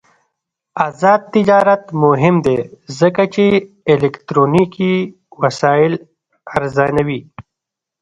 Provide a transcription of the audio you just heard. آزاد تجارت مهم دی ځکه چې الکترونیکي وسایل ارزانوي.